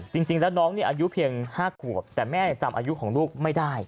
จริงแล้วน้องอายุเพียง๕ขวบแต่แม่จำอายุของลูกไม่ได้